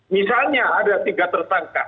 misalnya ada tiga tersangka